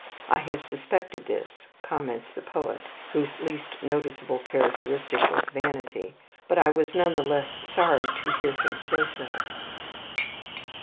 "I have suspected this," comments the poet, whose least noticeable characteristic was vanity; "but I was none the less sorry to hear him say so."